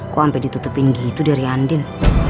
kok sampe ditutupin gitu dari andin